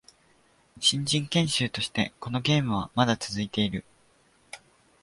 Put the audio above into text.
新人研修としてこのゲームはまだ続いている